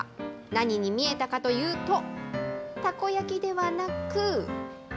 何に見えたかというと、たこ焼きではなく。